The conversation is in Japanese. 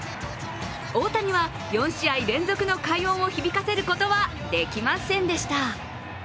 大谷は４試合連続の快音を響かせることはできませんでした。